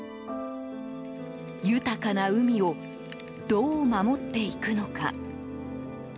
豊かな海をどう守っていくのか。